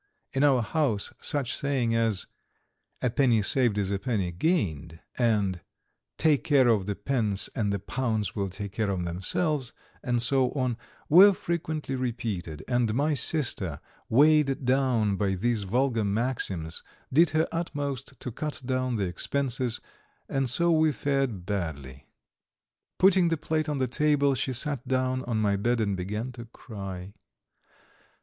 In our house such sayings as: "A penny saved is a penny gained," and "Take care of the pence and the pounds will take care of themselves," and so on, were frequently repeated, and my sister, weighed down by these vulgar maxims, did her utmost to cut down the expenses, and so we fared badly. Putting the plate on the table, she sat down on my bed and began to cry.